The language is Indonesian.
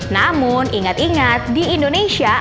namun ingat ingat di indonesia